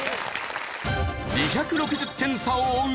２６０点差を追う